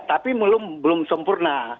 tapi belum belum sempurna